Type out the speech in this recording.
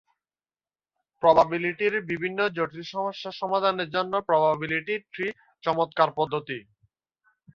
প্রবাবিলিটির বিভিন্ন জটিল সমস্যা সমাধানের জন্য প্রবাবিলিটি ট্রি চমৎকার পদ্ধতি।